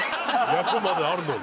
役まであるのに。